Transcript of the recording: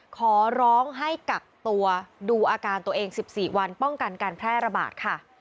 ขอร้องให้กักตัวดูอาการตัวเอง๑๔วันป้องกันการแพร่ระบาดค่ะ